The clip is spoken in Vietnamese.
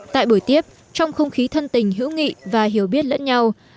tại buổi tiếp trong không khí thân tình hữu nghị và hiểu biết lẫn nhau